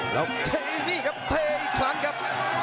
ลบเทอีกนี่ครับเทอีกครั้งครับ